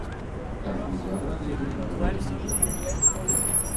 Там будзе абраны і ўзнагароджаны пераможца.